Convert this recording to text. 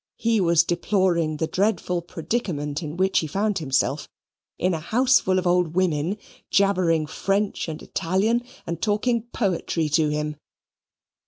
He was deploring the dreadful predicament in which he found himself, in a house full of old women, jabbering French and Italian, and talking poetry to him.